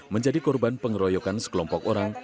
menjadi korban pengeroyokan sekelompok orang